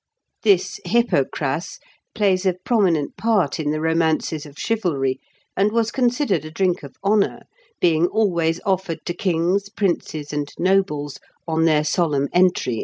This hypocras plays a prominent part in the romances of chivalry, and was considered a drink of honour, being always offered to kings, princes, and nobles on their solemn entry into a town.